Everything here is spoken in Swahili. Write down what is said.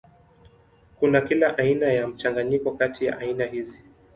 Kuna kila aina ya mchanganyiko kati ya aina hizi.